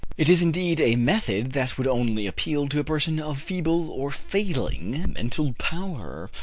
It is indeed a method that would only appeal to a person of feeble or failing mental power.